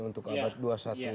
untuk abad dua puluh satu